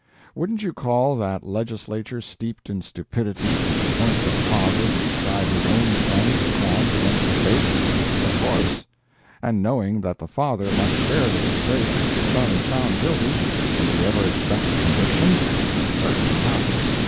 Wouldn't you call that Legislature steeped in stupidity which appointed a father to try his own son for crimes against the State? Of course. And knowing that the father must share the disgrace if the son is found guilty, would you ever expect a conviction? Certainly not.